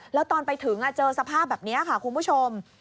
แล้วตอนไปถึงเจอสภาพแบบนี้ค่ะคุณผู้ชม